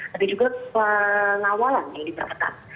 tapi juga pengawalan yang diperketat